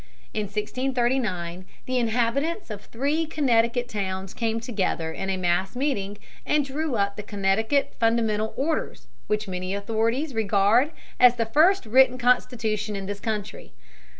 In 1639 the inhabitants of three Connecticut towns came together in a mass meeting, and drew up the Connecticut Fundamental Orders, which many authorities regard as the first written constitution in this country.